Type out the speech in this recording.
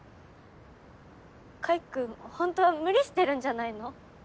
海君ほんとは無理してるんじゃないの？